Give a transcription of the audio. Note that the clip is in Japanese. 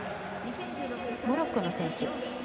モロッコの選手。